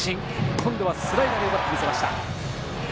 今度はスライダーで奪ってみせました。